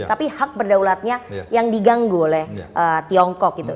tapi hak berdaulatnya yang diganggu oleh tiongkok gitu